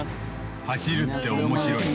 走るって面白い。